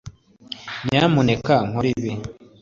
nyamuneka ntukore ibi